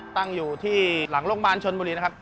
ตั้งอยู่ที่หลังโรงพยาบาลชนบุรีนะครับ